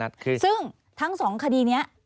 ซึ่งทั้งสองคดีนี้